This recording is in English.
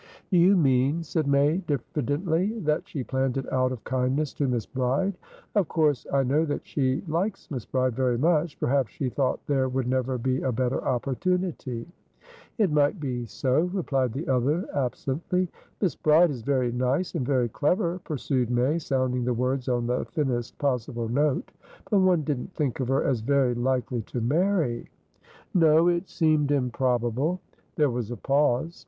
"Do you mean," said May, diffidently, "that she planned it out of kindness to Miss Bride? Of course I know that she likes Miss Bride very much. Perhaps she thought there would never be a better opportunity." "It might be so," replied the other, absently. "Miss Bride is very nice, and very clever," pursued May, sounding the words on the thinnest possible note. "But one didn't think of her as very likely to marry." "No; it seemed improbable." There was a pause.